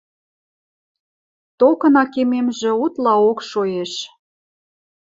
Токына кемемжӹ утлаок шоэш.